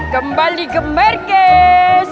kembali ke merkes